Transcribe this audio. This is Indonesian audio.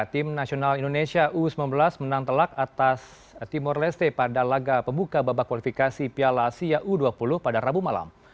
tim nasional indonesia u sembilan belas menang telak atas timor leste pada laga pembuka babak kualifikasi piala asia u dua puluh pada rabu malam